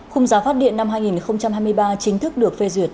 khung giá phát điện năm hai nghìn hai mươi ba chính thức được phê duyệt